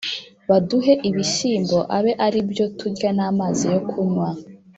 baduhe ibishyimbo abe ari byo turya n’amazi yo kunywa